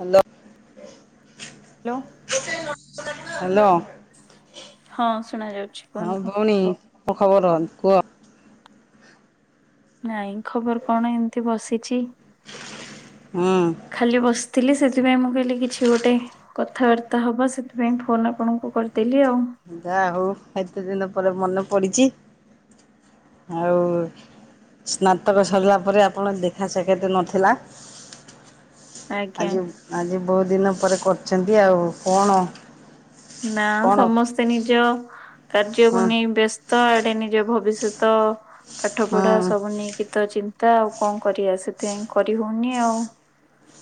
Hello. ଲୋ। Hello ହଁ ଶୁଣା ଯାଉଛି ହଁ କୁହନ୍ତୁ। ଭଉଣୀ। ଖବର କୁହ। ନାଇଁ ଖବର କଣ ଏମିତି ବସିଛି। ହୁଁ। ଖାଲି ବସିଥିଲି ସେଥିପାଇଁ ମୁଁ କହିଲି କିଛି ଗୋଟେ। କଥାବାର୍ତ୍ତା ହବା ସେଥିପାଇଁ ଫୋନ୍ ଆପଣଙ୍କୁ କରିଦେଲି ଆଉ। ଯା ହୋଉ ଏତେ ଦିନ ପରେ ମନେ ପଡିଛି ଆଉ। ସ୍ନାତକ ସରିଲା ପରେ ଆପଣ ଦେଖା ସାକ୍ଷାତ୍ ନଥିଲା। ଆଜ୍ଞା ଆଜି ଆଜି ବହୁତ୍ ଦିନ ପରେ କରିଛନ୍ତି। ଆଉ କଣ? ନା କଣ ସମସ୍ତେ ନିଜ କାର୍ଯ୍ୟକୁ ହଁ ନେଇ ବ୍ୟସ୍ ତ ଆଡେ ନିଜ ଭବିଷ୍ୟତ ପାଠ ହଁ ପଢା ସବୁ ନେଇକି ତ ଚି ତା ଆଉ କଣ କରିବା ସେଥିପାଇଁ କରିହଉନି ଆଉ।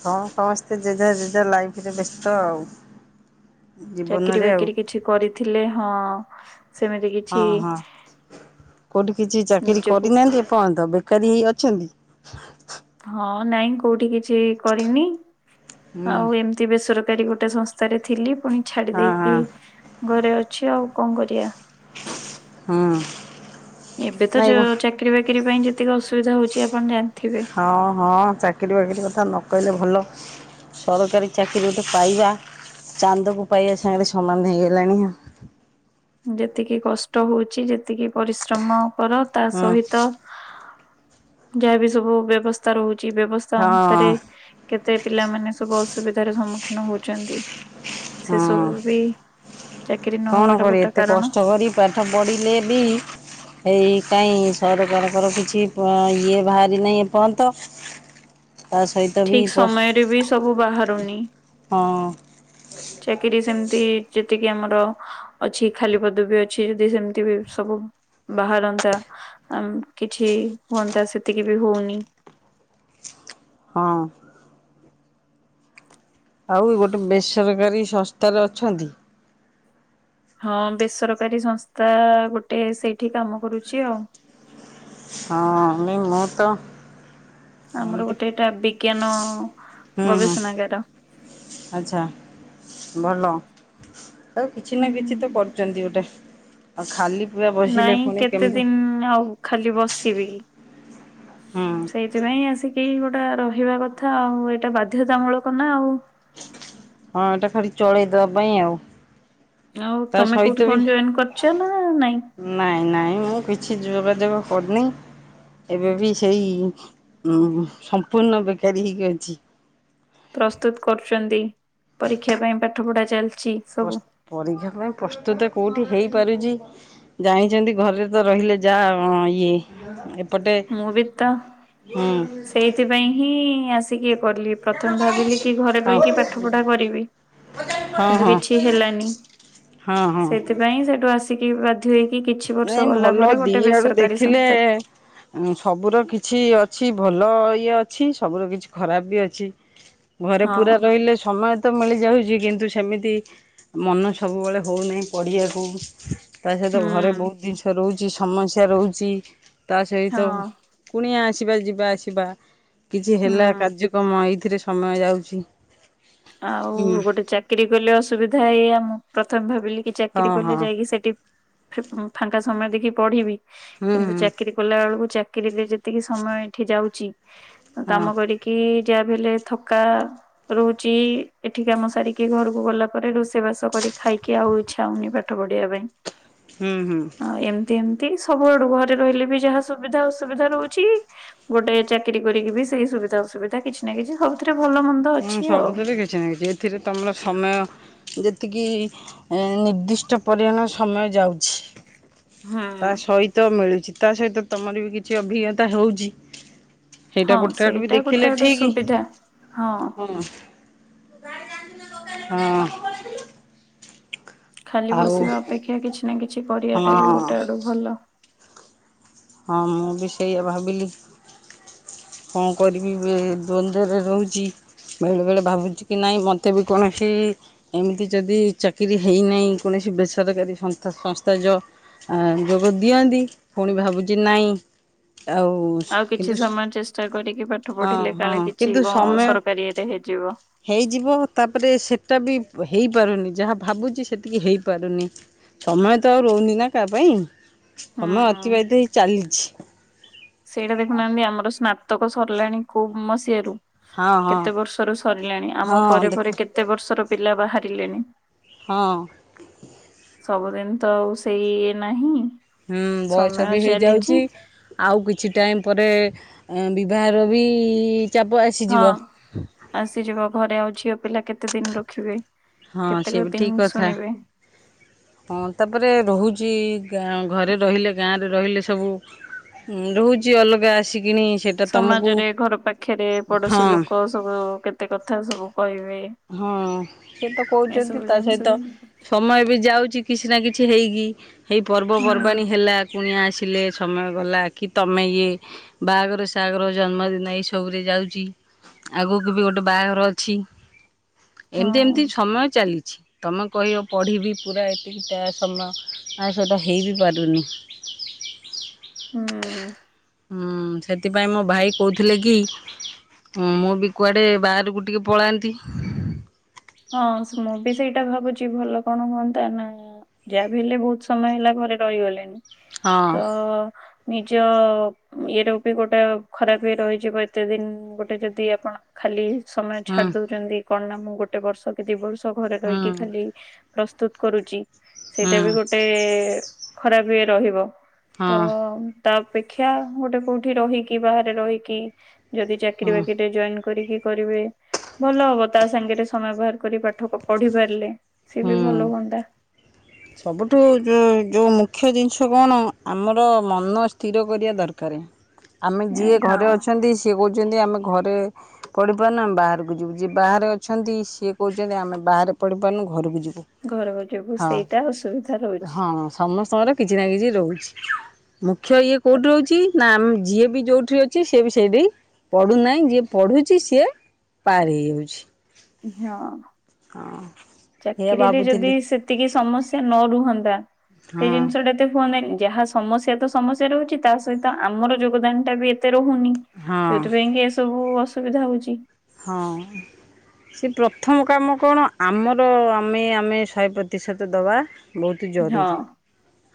ହଁ ସମସ୍ତେ ଯେଝା ଯେଝା ଲାଇଫ୍ ରେ ବ୍ୟସ୍ତ ଆଉ। ଚାକିରି ଜୀବନରେ ଆଉ ବାକିରି କିଛି କରିଥିଲେ ହଁ ସେମିତି କି। ହଁ ହଁ କୋଉଠି କିଛି ଚାକିରି ନିଜକୁ କରିନାହାନ୍ତି ଏପଅନ୍ତ ବେକାରୀ ହେଇ ଅଛନ୍ତି? ହଁ ନାଇଁ କୋଉଠି କିଛି କରିନି ହୁଁ ଆଉ ଏମ ତି ବେସରକାରୀ ଗୋଟେ ସଂସ୍ଥାରେ ଥିଲି ପୁଣି ଛାଡି ହଁ ହଁ ଦେଇକି। ଘରେ ଅଛି ଆଉ କଣ କରିଆ। ହୁଁ। ଏବେ ତ ନାଇଁ ଯୋଉ ଚାକିରି ବାକିରି ପାଇଁ ଯେତିକି ଅସୁବିଧା ହଉଛି ଆପଣ ଜାଣିଥିବେ। ହଁ ହଁ ଚାକିରି ବାକିରି କଥା ନକହିଲେ ଭଲ। ସରକାରୀ ଚାକିରି ଗୋଟେ ପାଇବା ଚାନ୍ଦକୁ ପାଇବା ସାଙ୍ଗରେ ସମାନ ହେଇଗଲାଣି। ଯେତିକି କଷ୍ଟ ହଉଛି ଯେତିକି ପରିଶ୍ରମ କର ତା ହୁଁ ସହିତ। ଯାହା ବି ସବୁ ବ୍ୟବସ୍ଥା ରହୁଛି ବ୍ୟବସ୍ଥା ଅନୁସାରେ। କେତେ ପିଲାମାନେ ସବୁ ଅସୁବିଧାର ସମ୍ମୁଖୀନ ହୋଉଛନ୍ତି। ସେ ହଁ ହଁ ସବୁ ବି ଚାକିରି କଣ ନହବାର କରି ଗୋ ଏତେ କଷ୍ଟକରି ପାଠ ପଢିଲେ ବି। ଏଇ କାଇଁ ସରକାରଙ୍କର କିଛି ପଂ ଇଏ ବାହାରି ନାହିଁ ଏପନ୍ତ। ଠିକ ସମୟରେ ବି ସବୁ ବାହାରୁନି। ହଁ। ଚାକିରି ସେମିତି ଯେତିକି ଆମର। ଅଛି ଖାଲି ପଦବୀ ଅଛି ଯଦି ସେମିତି ବି ସବୁ ବାହାରନ୍ତା। ଆମ କିଛି ହୁଅନ୍ତା ସେତିକି ବି ହଉନି। ହଁ। ଆଉ ଗୋଟେ ବେସରକାରୀ ସଂସ୍ଥାରେ ଅଛନ୍ତି। ହଁ ବେସରକାରୀ ସଂସ୍ଥା ଗୋଟେ ସେଇଠି କାମ କରୁଛି ଆଉ। ହଁ ମି ମୁ ତ ଆମର ଏମିତି ଗୋଟେ ଏଇଟା ବିଜ୍ଞାନ ହୁଁ ହୁଁ ଗବେଷଣାଗାର। ଆଚ୍ଛା ଭଲ। ଆଉ କିଛି ନା କିଛି ତ କରୁଛନ୍ତି ଗୋଟେ। ଆଉ ଖାଲି ପୁରା ବସିଲେ ନାଇଁ ପୁଣି କେତେ କେମିତି ଦିନ ଆଉ ଖାଲି ବସିବି। ହଁ। ସେଇଥିପାଇଁ ଆସିକି ଗୋଟେ ରହିବା କଥା ଆଉ, ଏଇଟା ବାଧ୍ୟତାମୂଳକ ନା ଆଉ। ହଁ ଏଇଟା ଖାଲି ଚଳେଇଦବା ପାଇଁ ଆଉ। ଆଉ ତା ତମେ କୋଉଠି ସହିତ ବି କଣ ଜଏନ୍ କରିଛ ନା ନାଇଁ? ନାଇଁ ନାଇଁ ମୁଁ କିଛି ଯୋଗା ଯୋଗ କରିନି। ଏବେ ବି ସେଇ ସମ୍ପୂର୍ଣ୍ଣ ବେକାରୀ ହେଇକି ଅଛି। ପ୍ରସ୍ତୁତ କରୁଛନ୍ତି। ପରୀକ୍ଷା ପାଇଁ ପାଠପଢା ଚାଲିଛି। ସବୁ ପସ-ପରୀକ୍ଷା ପାଇଁ ପ୍ରସ୍ତୁତ କୋଉଠି ହେଇପାରୁଛି? ଜାଣିଛନ୍ତି ଘରେ ତ ରହିଲେ ଯା ଇଏ ପଟେ ମୁଁ ବି ତ ହୁଁ। ସେଇଥିପାଇଁ ହିଁ ଆ କିଏ କଲି। ପ୍ରଥମେ ଭାବିଲି କି ଘରେ ହଁ ରହିକି ପାଠ ପଢା କରିବି। ହଁ କିନ୍ତୁ ହଁ କିଛି ହେଲାନି। ହଁ ହଁ ସେଥିପାଇଁ ସେଠୁ ଆସିକି ବା ଧେଇକି କିଛିବର୍ଷ ନାଇଁ ଭଲ ଗଲାପରେ ଦି ଗୋଟେ ଆଡୁ ବେସରକାରୀ ଦେଖିଲେ ସଂସ୍ଥାରେ ସବୁର କିଛି ଅଛି ଭଲ ଇଏ ଅଛି ସବୁର କିଛି ଖରାପ ବି ଅଛି। ଘରେ ହଁ ପୁରା ରହିଲେ ସମୟ ତ ମିଳିଯାଉଛି କିନ୍ତୁ ସେମିତି ମନ ସବୁବେଳେ ହଉନାହିଁ ପଢିବାକୁ। ତା ତ ହୁଁ ଘରେ ବହୁତ ଜିନିଷ ରହୁଛି, ସମସ୍ୟା ରହୁଛି। ତା ହଁ ସହିତ କୁଣିଆ ଆସିବା, ଯିବା ଆସିବା, କିଛି ହେଲା ହୁଁ କାର୍ଯ୍ୟକ୍ରମ ଏଇଥିରେ ସମୟ ଯାଉଛି। ଆଉ ହୁଁ। ଗୋଟେ ଚାକିରି କଲେ ଅସୁବିଧା ଏଇଆ, ମୁଁ ପ୍ରଥମେ ଭାବିଲି କି ଚାକିରୀ ହଁ କଲେ ହଁ ଯାଇକି ସେଠି ଫି-ଫାଙ୍କା ସମୟ ଦେଖି ପଢିବି। ହୁଁ କିନ୍ତୁ ହୁଁ ଚାକିରୀ କଲା ବେଳକୁ ଚାକିରିରେ ଯେତିକି ସମୟ ଏଠି ଯାଉଛି, ହଁ କାମ କରିକି କି ଯାହା ବି ହେଲେ ଥକା ରୋହୁ ଚି ଏଠି କାମ ସାରିକି ଘରକୁ ଗଲା ପରେ ରୋଷେଇ ବାସ କରି ଖାଇକି ଆଉ ଇଚ୍ଛା ହଉନି ପାଠ ପଢିବା ପାଇଁ। ହୁଁ ହୁଁ। ଏମିତି ଏମତି ସବୁଆଡୁ ଘରେ ରହିଲେ ବି ଯାହା ସୁବିଧା ଅସୁବିଧା ରହୁଛି ଗୋଟେ ଚାକିରି କରିକି ବି ସେଇ ସୁବିଧା ଅସୁବିଧା, କିଛି ନା କିଛି ସବୁଥିରେ ଭଲ ମନ୍ଦ ଅଛି। ହୁଁ ଆଉ। ସବୁଥିରେ କିଛି ନା କିଛି ଏଥିରେ ତମର ସମୟ ଯେତିକି ନିର୍ଦ୍ଦିଷ୍ଟ ପରିମାଣ ସମୟ ଯାଉଛି। ହୁଁ ତା ସହିତ ମିଳୁଛି, ତା ସହିତ ତମର ବି କିଛି ଅଭିଜ୍ଞତା ହଉଛି। ହଁ ସେଇଟା ଗୋଟେ ଆଡୁ ବି ଗୋଟେ ଦେଖିଲେ ଆଡୁ ଠିକ। ସୁବିଧା ହଁ। ହଁ ହଁ। ଖାଲି ଆଉ ବସିବା ଅପେକ୍ଷା କିଛି ନା କିଛି କରିବାଟା ହଁ ବି ଗୋଟେ ଆଡ଼ୁ ଭଲ। ହଁ ମୁଁ ବି ସେଇଆ ଭାବିଲି। କଣ କରିବି ଏ ଦ୍ୱନ୍ଦରେ ରହୁଛି। ବେଳେ ବେଳେ ଭାବୁଛି କି ନାଇଁ ମତେ ବି କୌଣସି ଏମିତି ଯଦି ଚାକିରୀ ହେଇନାହିଁ କୌଣସି ବେସରକାରୀ ସଂସ୍ଥା ଯ ଆ ଯୋଗ ଦିଅନ୍ତି ପୁଣି ଭାବୁଛି ନାଇଁ ଆଉ କିନ୍ତୁ ଚର୍ଚା କରିକି ପାଠ ହଁ ପଢିଲେ ହଁ କାଳେ କିଛି କିନ୍ତୁ କ ସମୟ ସରକାରୀ ରେ ହେଇଯିବ। ହେଇଯିବ ତାପରେ ସେଇଟା ବି ହେଇପାରୁନି ଯାହା ଭାବୁଛି ସେତିକି ହେଇପାରୁନି। ସମୟ ତ ଆଉ ରହୁନି ନା କା ପାଇଁ ହୁଁ ସମୟ ଅତିବାହିତ ହେଇ ଚାଲିଛି। ସେଇଟା ଦେଖୁନାହାନ୍ତି ଆମର ସ୍ନାତକ ସରିଲାଣି କୋଉ ମସିଆରୁ ହଁ ହଁ କେତେ ବର୍ଷରୁ ସରିଲାଣି ଆମ ହଁ ପରେ ଦେଖ ପରେ କେତେ ବର୍ଷର ପିଲା ବାହାରିଲେନି? ହଁ। ସବୁଦିନ ତ ଆଉ ସେଇ ଇଏ ନାହିଁ। ହୁଁ ବୟସ ସମୟ ବି ଚାଲିଛି ହେଇଯାଉଚି। ଆଉ କିଛି ଟାଇମ୍ ପରେ ଉଁ ବିବାହର ବି ଚାପ ଆସ୍ ହଁ ଆସିଯିବ ଘରେ ଆଉ ଝିଅ ପିଲା କେତେ ଦିନ ରଖିବେ? ହଁ କେତେକ ସେ ବି ଦିନ ଠିକ୍ କଥା। ଶୁଣିବେ। ହଁ ତାପରେ ରହୁଚି ଗାଁ ଘରେ ରହିଲେ ଗାଁରେ ରହିଲେ ସବୁ ମୁଁ ରହୁଚି ଅଲଗା ଆସିକିନି ସମାଜରେ ଘର ପାଖେରେ ପଡୋଶୀ ହଁ ଲୋକ ସବୁ କେତେ କଥା ସବୁ କହିବେ। ହଁ ସିଏ ତ କହୁଚନ୍ତି ଏସବୁ ତା ଜିନିଷ ସହିତ ବି ତ ମୁଁ ଏବେ ଯାଉଚି କିଛି ନା କିଛି ହେଇକି ହେଇ ହୁଁ ପର୍ବପର୍ବାଣୀ ହେଲା କୁଣିଆ ଆସିଲେ ସମୟ ଗଲା କି ତମେ ଇଏ ବାହାଘର ସାହାଘର ଜନ୍ମଦିନ ଏଇ ସବୁରେ ଯାଉଚି ଆଗୁକୁ ବି ଗୋଟେ ବାହାଘର ଅଛି। ଏମତି ଏମତି ହଁ। ସମୟ ଚାଲିଛି। ତମେ କହିବ ପଢିବି ପୁରା ଏତିକିଟା ସମୟ ଆଉ ସେଟା ହେଇ ବି ପାରୁନି। ହୁଁ। ହୁଁ ସେଥିପାଇଁ ମୋ ଭାଇ କହୁଥିଲେ କି ମୁଁ ବି କୁଆଡେ ବାହାରୁକୁ ଟିକେ ପଳାନ୍ତି। ହଁ ସ୍ ମୁଁ ବି ସେଇଟା ଭାବୁଚି ଭଲ କଣ ହୁଅନ୍ତା ନା ଯାହା ବି ହେଲେ ବୋହୁତ ସମୟ ହେଲା ଘରେ ରହିଗଲେନି ହଁ ତ ନିଜ ଉଁ ଇଏ ର ବି ଗୋଟା ଉ ଖରାପ ଇଏ ରହିଯିବ ଏତେ ଦିନ ଗୋଟେ ଯଦି ଆପଣ ଖାଲି ସମୟ ହୁଁ ଛାଡି ଦଉଚନ୍ତି କଣ ନା ମୁଁ ଗୋଟେ ବର୍ଷ କି ଦି ବର୍ଷ ଘରେ ହୁଁ ରହିକି ଖାଲି ପ୍ରସ୍ତୁତ କରୁଚି ହୁଁ ସେଇଟା ବି ଗୋଟେ ଖରାପ ଇଏ ରହିବ। ତ ହଁ ଉଁ ତା ଅପେକ୍ଷା ଗୋଟେ କୋଉଠି ରହିକି ବାହାରେ ରହିକି ଯଦି ହଁ ଚାକିରୀ ବାକିରିରେ ଜଏନ୍ କରିକି କରିବେ ଭଲ ହବ ତା ସାଙ୍ଗେରେ ସ୍ ସମୟ ବାହାର କରି ପାଠ ପ ପଢି ପାରିଲେ ସିଏ ବି ହୁଁ। ଭଲ ହୁଅନ୍ତା। ସବୁଠୁ ଯୋଉ ଯୋଉ ମୁଖ୍ୟ ଜିନିଷ କଣ ଆମର ମନ ସ୍ଥିର କରିବା ଦରକାରେ। ଆମେ ଯିଏ ହଁ ଘରେ ଅଛନ୍ତି ସିଏ କହୁଛନ୍ତି ଆମେ ଘରେ ପଢିପାରୁନୁ ଆମେ ବାହାରୁକୁ ଯିବୁ ଯିଏ ବାହାରେ ଅଛନ୍ତି ସିଏ କହୁଛନ୍ତି ଆମେ ବାହାରେ ପଢିପାରୁନୁ ଘରକୁ ଯିବୁ। ଘର ବା ଯୋଗୁ ହଁ ସେଇଟା ଅସୁବିଧା ରହୁଛି। ହଁ ସମସ୍ତଙ୍କର କିଛି ନା କିଛି ରହୁଛି ମୁଖ୍ୟ ଇଏ ତ କୋଉଟି ରହୁଚି? ନା ଆମ୍ ଯିଏ ବି ଯୋଉଠି ଅଛି ସିଏ ବି ସେଇଡି ପଢୁନାଇଁ ଯିଏ ପଢୁଛି ସିଏ ପାର୍ ହେଇଯାଉଛି। ହଁ ଏଇଆ ଚାକିରିରେ ଯଦି ଭାବୁଥିଲି ସେ ତିକି ସମସ୍ୟା ନ ରୁହନ୍ତା ହଁ ସେଇ ଜିନିଷଟା ଏତେ ହୁଅନ୍ତାନି ଯାହା ସମସ୍ୟା ତ ସମସ୍ୟା ରହୁଛି ତା ସହିତ ଆମର ଯୋଗଦାନଟା ବି ଏତେ ରହୁନି। ହଁ ଯୋଉଥିପାଇଁ କି ଏସବୁ ଅସୁବିଧା ହଉଛି। ହଁ। ସିଏ ପ୍ରଥମ କାମ କଣ ଆମର ଆମେ ଆମେ ଶହେ ପ୍ରତିଶତ ଦବା। ବୋହୁତୁ ହଁ ଜରୁରୀ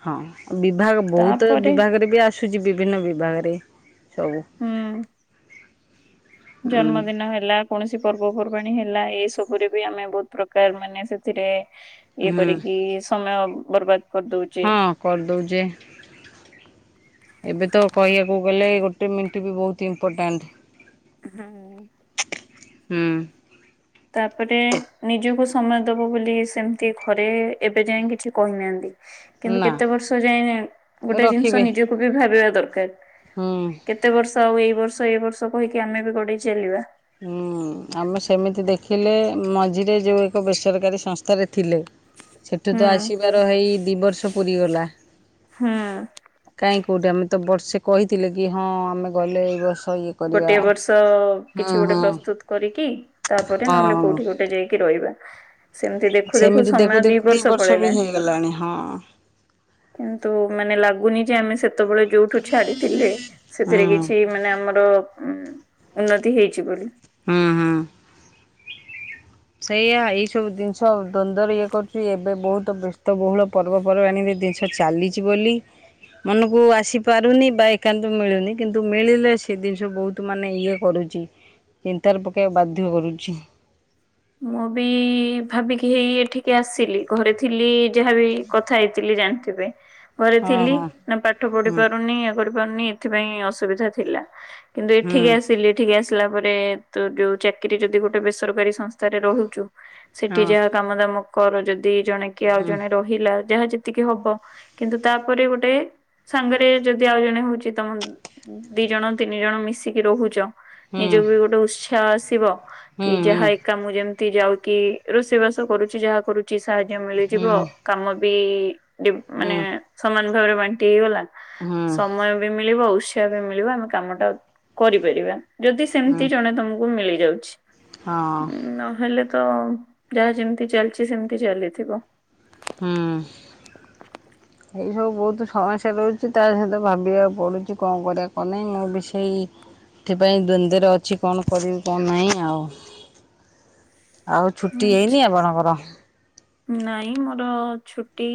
ହଁ ବିଭାଗ ବୋହୁତ ତାପରେ ବିଭାଗରେ ବି ଆସ୍ ସୁଚି ବିଭିନ୍ନ ବିଭାଗେରେ ସବୁ। ହୁଁ। ହୁଁ ଜନ୍ମଦିନ ହେଲା କୌଣସି ପର୍ବପର୍ବାଣୀ ହେଲା ଏସବୁରେ ବି ଆମେ ବୋହୁତ ପ୍ରକାର ମାନେ ସେଥିରେ ଇଏ ହୁଁ କରିକି ସମୟ ବର୍ବାଦ କରିଦଉ ହଁ କରିଦଉଚେ। ଏବେ ତ କହିବାକୁ ଗଲେ ଗୋଟେ ମିନିଟ୍ ବି ବହୁତ ଇମ୍ପୋର୍ଟାଣ୍ଟ। ହଁ। ହୁଁ। ତାପରେ ନିଜକୁ ସମୟ ଦବ ବୋଲି ସେମିତି ଘରେ ଏବେ ଯାଏଁ କିଛି କହିନାହାନ୍ତି। କିନ୍ତୁ ନା କେତେ ବର୍ଷ ଯାଏ ଗୋଟେ ଜିନିଷ ରଖିବେ ନିଜକୁ ବି ଭାବିବା ଦରକାର। ହୁଁ। କେତେ ବର୍ଷ ଆଉ ଏଇ ବର୍ଷ ଏଇ ବର୍ଷ କହିକି ଆମେ ବି ଗଡେଇ ଚାଲିବା। ହୁଁ। ହୁଁ ଆମେ ସେମିତି ଦେଖିଲେ ମଝିରେ ଯେଉଁ ଏକ ବେସରକାରୀ ସଂସ୍ଥାରେ ଥିଲେ। ସେଠୁ ହୁଁ ତ ଆସିବାର ହେଇ ଦି ବର୍ଷ ପୁରି ଗଲା। ହୁଁ। କାହିଁ କେଉଁଠି ଆମେ ତ ବର୍ଷେ କହିଥିଲେ କି ହଁ ଆମେ ଗଲେ ଏଇ ବର୍ଷ ଇଏ କରିବା। ଗୋଟିଏ ବର୍ଷ ହଁ କିଛି ଗୋଟେ ହଁ ପ୍ରସ୍ତୁତ କରିକି ତାପରେ ନହେଲେ ହଁ। କୋଉଠି ଗୋଟେ ଯାଇକି ରହିବା। ସେମିତି ଦେଖୁ ଦେଖୁ ସେମିତି ସମୟ ଦି ଦେଖୁ ବର୍ଷ ବି ପଳେଇଲାଣି। ହେଇଗଲାଣି ହଁ। କିନ୍ତୁ ମାନେ ଲାଗୁନି ଯେ ଆମେ ସେ ସେତେବେଳେ ଯୋଉଠୁ ଛାଡିଥିଲେ ହୁଁ ସେଥିରେ କିଛି ମାନେ ଆମର ହୁଁ ଉନ୍ନତି ହେଇଛି ବୋଲି। ହୁଁ ହୁଁ। ସେଇୟା ଏଇ ସବୁ ଜିନିଷ ଦ୍ୱନ୍ଦରେ ଇଏ କରୁଛି ଏବେ ବହୁତ ବ୍ୟସ୍ତବହୁଳ ପର୍ବପର୍ବାଣୀ ନିଦିନ୍ସ ଚାଲିଛି ବୋଲି ମନକୁ ଆସି ପାରୁନି ବା ଏକାନ୍ତ ମିଳୁନି କିନ୍ତୁ ମିଳିଲେ ସେ ଜିନିଷ ବହୁତ ତୁ ମାନେ ଇଏ କରୁଛି ଚିନ୍ତାରେ ପକେଇବା ବାଧ୍ୟ କରୁଛି। ମୁଁ ବି ଭାବିକି ହେଇ ଏଠିକି ଆସିଲି ଘରେ ଥିଲି ଯାହାବି କଥା ହେଇଥିଲି ଜାଣିଥିବେ। ଘରେ ହଁ ଥିଲି ହଁ ନା ପାଠ ପଢି ହୁଁ ପାରୁନି ଇଏ କରି ପାରୁନି ଏଥିପାଇଁ ଅସୁବିଧା ଥିଲା। କିନ୍ତୁ ହୁଁ ଏଠିକି ଆସିଲି ଏଠିକି ଆସିଲା ପରେ ତ ଯୋଉ ଚାକିରୀ ଯଦି ଗୋଟେ ବେସରକାରୀ ସଂସ୍ଥା ସାରେ ରହୁଛୁ ସେଠି ହଁ ଯାହା କାମ ଦାମ କର ଯଦି ଜଣେ କି ଆଉ ହୁଁ ଜଣେ ରହି ହିଲା ଯାହା ଯେତିକି ହବ କିନ୍ତୁ ତାପରେ ଗୋଟେ ସାଙ୍ଗରେ ଯଦି ଆଉ ଜଣେ ହଉଛି ତମ ଦି ଜଣ ତିନି ଜଣ ମିଶିକି ରହୁଛ। ହୁଁ। ନିଜକୁ ବି ଗୋଟେ ଉତ୍ସାହ ଆସିବ ହୁଁ କି ହୁଁ ଯାହା ଯେମତି ଯାଉକି ରୋଷେଇ ବାସ କରୁଛି ଯାହା କରୁଛି ସାହାଯ୍ୟ ହୁଁ ମିଳିଯିବ କାମ ବି ଡିଵ ମାନେ ହୁଁ ସମାନ ଭାବରେ ବାଣ୍ଟି ହେଇଗଲା ହୁଁ ସମୟ ବି ମିଳିବ ଉ ଠିବାପାଇ ମିଳିବ ଆମେ କାମ ଟା କରିପାରିବା ଯଦି ସେମତି ଜଣେ ତମକୁ ମିଳିଯାଉଛି। ହଁ। ନହେଲେ ତ ଯାହା ଯେମିତି ଚାଲିଛି ସେମିତି ଚାଲିଥିବ। ହୁଁ। ଏଇ ସବୁ ବହୁତ ସମସ୍ୟା ରହୁଛି ତା ସହିତ ଭାବିବାକୁ ପଡୁଛି କଣ କରିବା କଣ ନାହିଁ ମୁଁ ବି ସେଇ ଏଥିପାଇଁ ଦ୍ୱନ୍ଦରେ ଅଛି କଣ କରିବି କଣ ନାହିଁ ଆଉ। ଆଉ ଛୁଟି ଆଚ୍ଛା। ହେଇନି ଆପଣଙ୍କର? ନାଇଁ ମୋର ଛୁଟି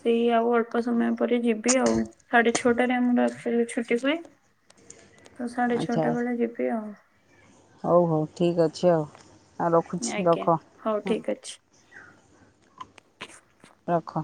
ସେଇ ଆଉ ଅଳ୍ପ ସମୟ ପରେ ଯିବି ଆଉ ସାଢେ ଛଅଟାରେ ଆମର ଆକ୍ଟୁଆଲୀ ଛୁଟି ହୁଏ। ତ ସାଢେ ଛ ଆଚ୍ଛା ଟା ବେଳେ ଯିବି ଆଉ। ହଉ ହଉ ଠିକ୍ ଅଛି ଆଉ, ଆ ରଖୁଛି ଆଜ୍ଞା ରଖ। ହଉ ଠିକ ଅଛି। ରଖ।